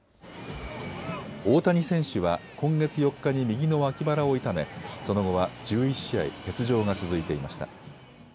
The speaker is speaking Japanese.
大谷選手は今月４日に右の脇腹を痛め、その後は１１試合欠場が続いていました。